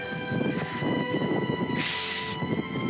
「よし！」